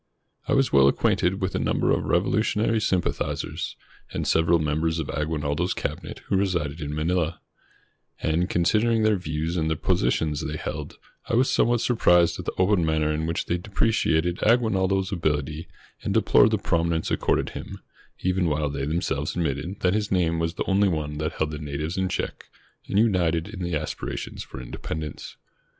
I was well acquainted with a number of revolutionary sympathizers, and several members of Aguinaldo's cabinet who resided in Manila, and, considering their views and the positions they held, I was somewhat sur prised at the open manner in which they depreciated Aguinaldo's ability and deplored the prominence ac corded him, even while they themselves admitted that his name was the only one that held the natives in check and united in the aspirations for independence.